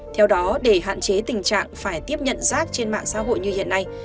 theo đó để hạn chế tình trạng phải tiếp nhận rác trên mạng xã hội như hiện nay